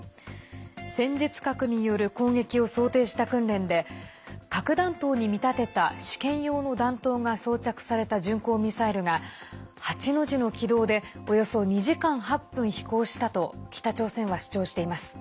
戦術核による攻撃を想定した訓練で核弾頭に見立てた試験用の弾頭が装着された巡航ミサイルが８の字の軌道でおよそ２時間８分飛行したと北朝鮮は主張しています。